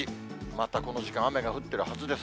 またこの時間、雨が降ってるはずです。